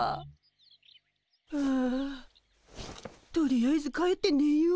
あとりあえず帰ってねよう。